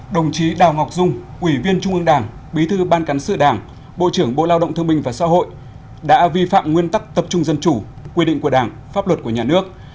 đồng chí đào ngọc dung ủy viên trung ương đảng bí thư ban cán sự đảng bộ trưởng bộ lao động thương minh và xã hội đã vi phạm nguyên tắc tập trung dân chủ quy định của đảng pháp luật của nhà nước